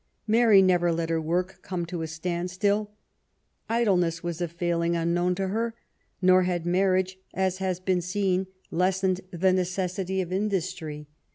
Mary never let her work come to a standstill. Idleness was a failing unknown to her ; nor had marriage, as has been seen^ lessened the necessity of industry.